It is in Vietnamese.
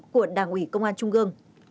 của đảng ủy công an trung gương